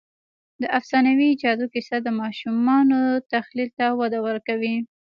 د افسانوي جادو کیسه د ماشومانو تخیل ته وده ورکوي.